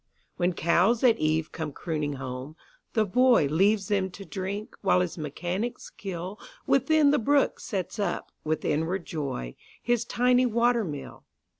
When cows at eve come crooning home, the boyLeaves them to drink, while his mechanic skillWithin the brook sets up, with inward joy, His tiny water mill.